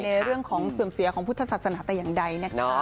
ในเรื่องของเสื่อมเสียของพุทธศาสนาแต่อย่างใดนะคะ